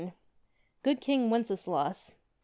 29 GOOD KING WENCESLAUS.